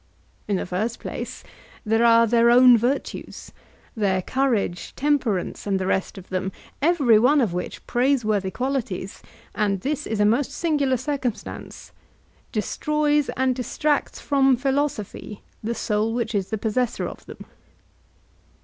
In the first place there are their own virtues, their courage, temperance, and the rest of them, every one of which praiseworthy qualities (and this is a most singular circumstance) destroys and distracts from philosophy the soul which is the possessor of them.